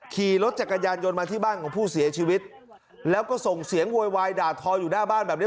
ขี่รถจักรยานยนต์มาที่บ้านของผู้เสียชีวิตแล้วก็ส่งเสียงโวยวายด่าทออยู่หน้าบ้านแบบนี้